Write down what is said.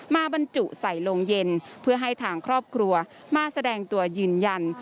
บรรจุใส่โรงเย็นเพื่อให้ทางครอบครัวมาแสดงตัวยืนยัน